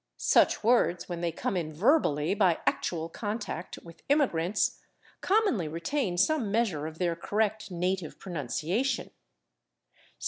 Such words, when they come in verbally, by actual contact with immigrants, commonly retain some measure of their correct native pronunciation.